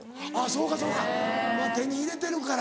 そうかそうか手に入れてるから。